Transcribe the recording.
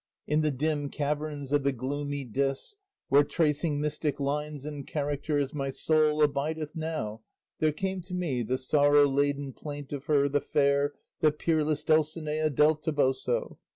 In the dim caverns of the gloomy Dis, Where, tracing mystic lines and characters, My soul abideth now, there came to me The sorrow laden plaint of her, the fair, The peerless Dulcinea del Toboso.